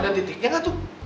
ada titiknya gak tuh